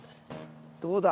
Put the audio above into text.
どうだ？